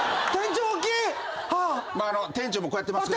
店長もこうやってますけど。